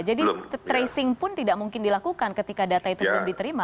jadi tracing pun tidak mungkin dilakukan ketika data itu belum diterima kan